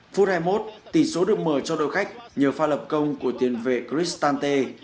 phút hai mươi một tỷ số được mở cho đội khách nhờ pha lập công của tiền vệ kristanter